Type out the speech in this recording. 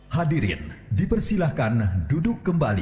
hadirin dipersilahkan duduk kembali